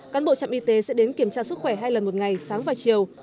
cán bộ trạm y tế sẽ đến kiểm tra sức khỏe hai lần một ngày sáng và chiều